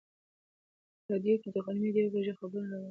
په راډیو کې د غرمې د یوې بجې خبرونه روان دي.